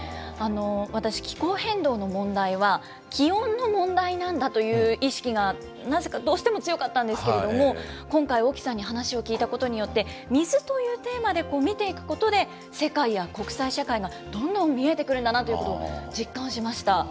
私、気候変動の問題は、気温の問題なんだという意識が、なぜかどうしても強かったんですけれども、今回、沖さんに話を聞いたことによって、水というテーマで見ていくことで、世界や国際社会がどんどん見えてくるんだなということを実感しました。